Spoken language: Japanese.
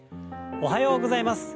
おはようございます。